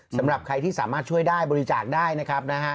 สำหรับใครที่สามารถช่วยได้บริจาคได้นะครับนะฮะ